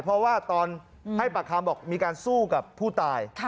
เพราะว่าตอนให้ปากคำบอกมีการสู้กับผู้ตาย